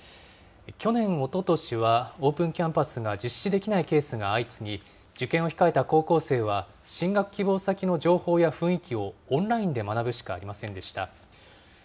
去年、おととしはオープンキャンパスが実施できないケースが相次ぎ、受験を控えた高校生は、進学希望先の学校の雰囲気をオンラインで学ぶしかありませんでした。